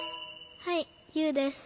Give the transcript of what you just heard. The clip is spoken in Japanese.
はいユウです。